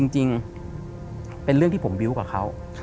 จริงเป็นเรื่องที่ผมบิวต์กับเขา